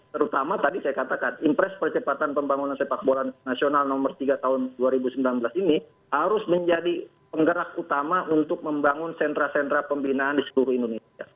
terutama tadi saya katakan impres percepatan pembangunan sepak bola nasional nomor tiga tahun dua ribu sembilan belas ini harus menjadi penggerak utama untuk membangun sentra sentra pembinaan di seluruh indonesia